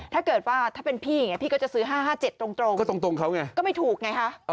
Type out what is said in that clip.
ถ้าเกิดว่าถ้าเป็นพี่อย่างนี้พี่ก็จะซื้อ๕๕๗ตรงก็ตรงเขาไงก็ไม่ถูกไงคะ